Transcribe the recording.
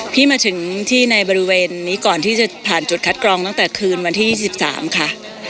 พี่มาถึงที่ในบริเวณนี้ก่อนที่จะผ่านจุดคัดกรองตั้งแต่คืนวันที่๒๓ค่ะ